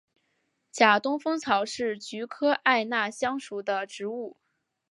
假东风草是菊科艾纳香属的植物。